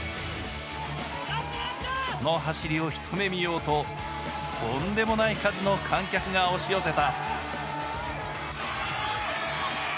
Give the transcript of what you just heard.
その走りを一目見ようと、とんでもない数の観客が押し寄せた。